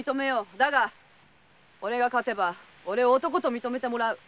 だが俺が勝てば俺を男と認めてもらう。